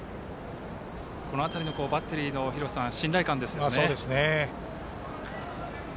この辺りのバッテリーの信頼感ですね。